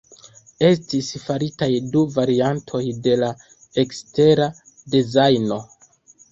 Estis faritaj du variantoj de la ekstera dezajno.